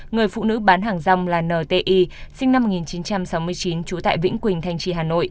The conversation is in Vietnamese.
người phụ nữ bán hàng rong là nti sinh năm một nghìn chín trăm sáu mươi chín